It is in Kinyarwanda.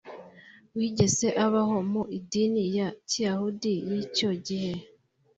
Wigeze abaho mu idini ya kiyahudi y icyo gihe